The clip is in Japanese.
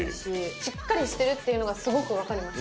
しっかりしてるっていうのがすごくわかります。